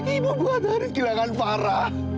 ibu buat haris kehilangan farah